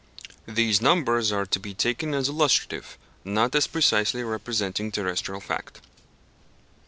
(These numbers are to be taken as illustrative, not as precisely representing terrestrial fact.)